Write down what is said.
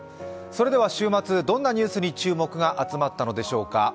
それでは週末、どんなニュースに注目区が集まったのでしょうか。